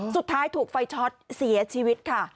สุดท้ายถูกไฟช็อตเสียชีวิตค่ะ